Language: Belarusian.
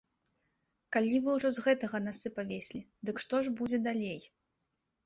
Калі вы ўжо з гэтага насы павесілі, дык што ж будзе далей?